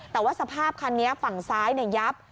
แต่ว่าสภาพคันนี้ฝั่งซ้ายยับ